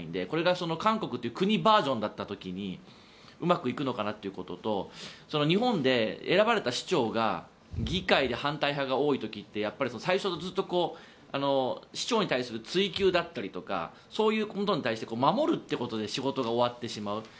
これが韓国という国バージョンだった時にうまくいくのかなということと日本で選ばれた市長が議会で反対派が多い時って最初はずっと市長に対する追及だったりそういうことに対しての守るということで仕事が終わってしまう。